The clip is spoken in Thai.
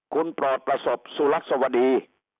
คุณปลอดประสบสุลักษวดี